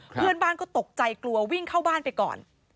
เพื่อนบ้านก็ตกใจกลัววิ่งเข้าบ้านไปก่อน